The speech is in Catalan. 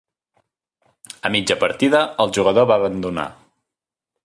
A mitja partida, el jugador va abandonar.